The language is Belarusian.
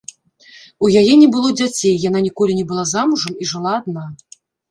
У яе не было дзяцей, яна ніколі не была замужам і жыла адна.